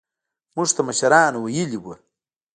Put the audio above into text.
موږ ته مشرانو ويلي وو.